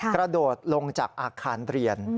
กระโดดลงจากอาคารเรียน